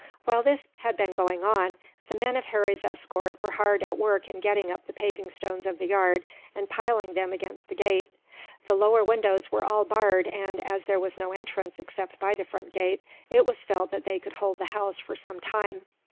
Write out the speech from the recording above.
While this had been going on, the men of Harry's escort were hard at work in getting up the paving stones of the yard, and piling them against the gate. The lower windows were all barred and, as there was no entrance except by the front gate, it was felt that they could hold the house for some time.